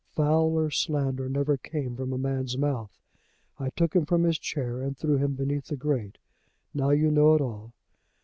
Fouler slander never came from a man's mouth. I took him from his chair and threw him beneath the grate. Now you know it all.